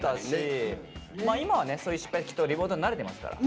そういう失敗きっとリモートに慣れてますから。